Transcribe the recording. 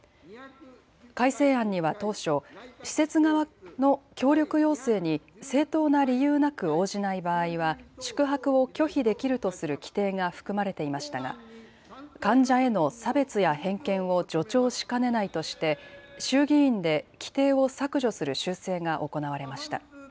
改正案には当初、施設側の協力要請に正当な理由なく応じない場合は宿泊を拒否できるとする規定が含まれていましたが患者への差別や偏見を助長しかねないとして衆議院で規定を削除する修正が行われました。